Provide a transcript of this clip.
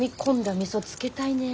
みそつけたいねえ。